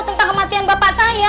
tentang kematian bapak saya